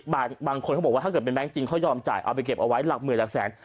บางคนเขาบอกว่าถ้าเกิดเป็นแก๊งจริงเขายอมจ่ายเอาไปเก็บเอาไว้หลักหมื่นหลักแสน